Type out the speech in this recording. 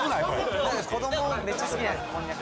子供、めっちゃ好きじゃないですか、こんにゃく。